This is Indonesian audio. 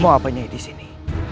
mau abanyai disini